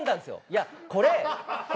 いやこれ。